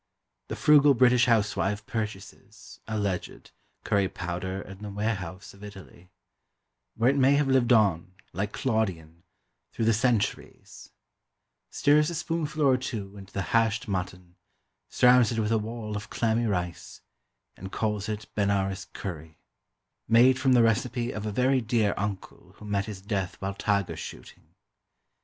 The frugal British housewife purchases (alleged) curry powder in the warehouse of Italy where it may have lived on, like Claudian, "through the centuries" stirs a spoonful or two into the hashed mutton, surrounds it with a wall of clammy rice, and calls it BENARES CURRY, made from the recipe of a very dear uncle who met his death while tiger shooting.